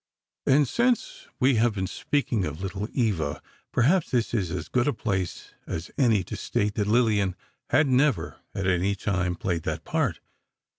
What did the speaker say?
And since we have been speaking of "Little Eva," perhaps this is as good a place as any to state that Lillian had never, at any time, played that part.